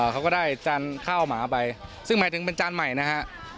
เขาก็ได้จานข้าวหมาไปซึ่งหมายถึงเป็นจานใหม่นะฮะ